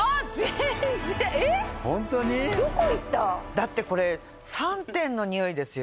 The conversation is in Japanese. だってこれ３点のにおいですよ。